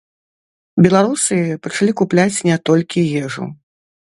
Беларусы пачалі купляць не толькі ежу.